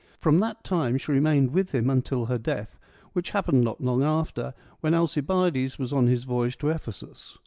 From that time she remained with him until her death, which happened not long after, when Alcibiades was upon his voyage to Ephesus.